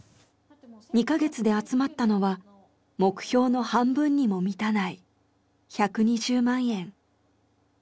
２カ月で集まったのは目標の半分にも満たない１２０万円。